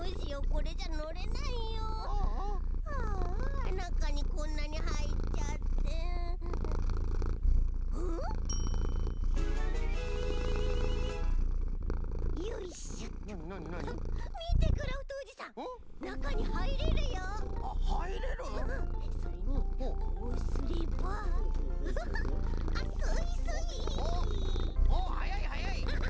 おっはやいはやい！